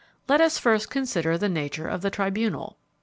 Let us first consider the nature of the tribunal.